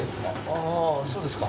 あそうですか。